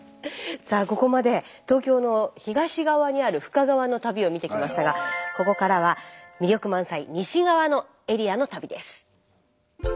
さあここまで東京の東側にある深川の旅を見てきましたがここからは魅力満載西側のエリアの旅です。